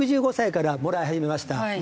６５歳からもらい始めました。